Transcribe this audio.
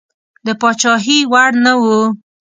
د پاچهي وړ نه وو.